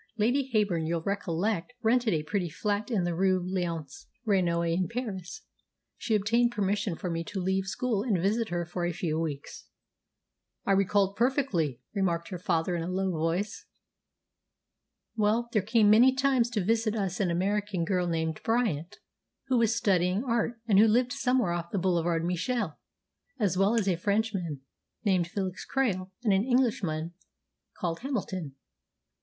Lady Heyburn, you'll recollect, rented a pretty flat in the Rue Léonce Reynaud in Paris. She obtained permission for me to leave school and visit her for a few weeks." "I recollect perfectly," remarked her father in a low voice. "Well, there came many times to visit us an American girl named Bryant, who was studying art, and who lived somewhere off the Boulevard Michel, as well as a Frenchman named Felix Krail and an Englishman called Hamilton."